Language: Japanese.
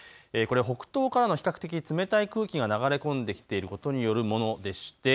これは北東からの比較的冷たい空気が流れ込んできていることによるものです。